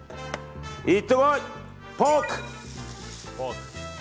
行ってこい、ポーク！